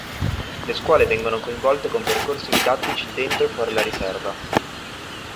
Le scuole vengono coinvolte con percorsi didattici dentro e fuori la Riserva.